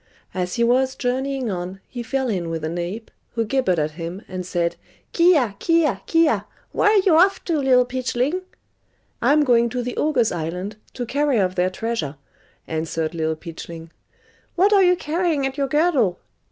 As he was journeying on, he fell in with an ape, who gibbered at him, and said, "Kia! kia! kia! where are you off to, Little Peachling?" "I'm going to the ogres' island, to carry off their treasure," answered Little Peachling. "What are you carrying at your girdle?"